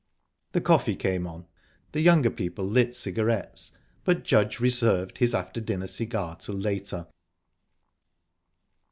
The coffee came on. The younger people lit cigarettes, but Judge reserved his after dinner cigar till later.